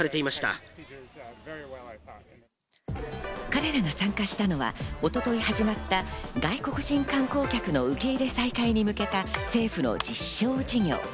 彼らが参加したのは一昨日始まった外国人観光客の受け入れ再開に向けた政府の実証事業。